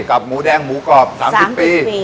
หมูแดงหมูกรอบ๓๐ปี